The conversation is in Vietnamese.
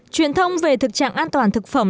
truyền thông về thực trạng an toàn thực phẩm